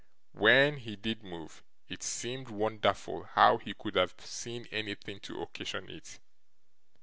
When he did move, it seemed wonderful how he could have seen anything to occasion it.